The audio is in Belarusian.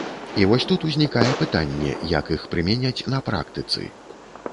І вось тут узнікае пытанне, як іх прымяняць на практыцы.